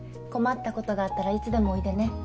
困ったことがあったらいつでもおいでね。